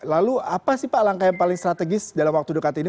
lalu apa sih pak langkah yang paling strategis dalam waktu dekat ini